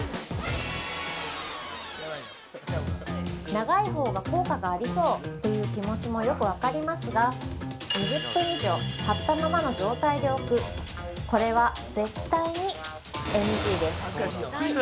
◆長いほうが効果がありそうという気持ちもよく分かりますが２０分以上貼ったままの状態で置くこれは絶対にＮＧです。